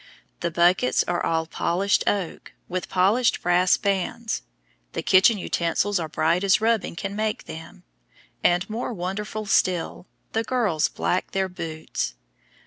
The buckets are all polished oak, with polished brass bands; the kitchen utensils are bright as rubbing can make them; and, more wonderful still, the girls black their boots.